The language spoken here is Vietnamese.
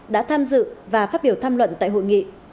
đã tham dự và phát biểu tham luận tại hội nghị